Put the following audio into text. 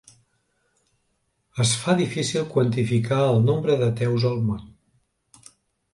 Es fa difícil quantificar el nombre d'ateus al món.